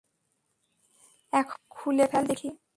এখন, খুলে ফেল দেখি।